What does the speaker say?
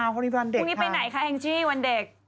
วันนี้วันเด็กพรุ่งนี้ไปไหนคะแองจี้วันเด็ก